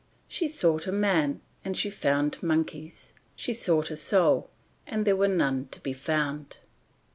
She sought a man and she found monkeys; she sought a soul and there was none to be found.